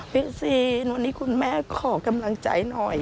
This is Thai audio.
ซีนวันนี้คุณแม่ขอกำลังใจหน่อย